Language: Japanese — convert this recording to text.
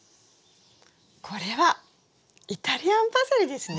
これはイタリアンパセリですね。